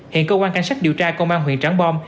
hiện công an cảnh sát điều tra công an huyện trắng bom